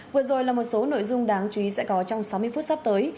vừa rồi là một số nội dung đáng chú ý sẽ có trong sáu mươi phút sắp tới